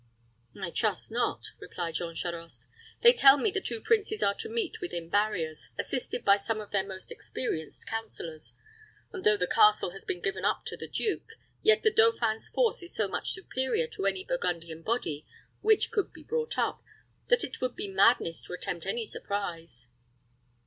"I trust not," replied Jean Charost. "They tell me the two princes are to meet within barriers, assisted by some of their most experienced counselors; and though the castle has been given up to the duke, yet the dauphin's force is so much superior to any Burgundian body which could be brought up, that it would be madness to attempt any surprise."